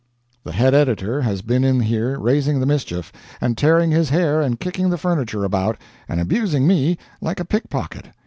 The head editor has been in here raising the mischief, and tearing his hair and kicking the furniture about, and abusing me like a pickpocket.